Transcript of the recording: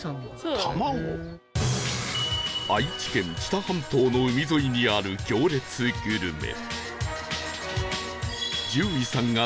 愛知県知多半島の海沿いにある行列グルメ